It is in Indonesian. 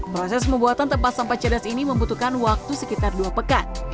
proses pembuatan tempat sampah cerdas ini membutuhkan waktu sekitar dua pekan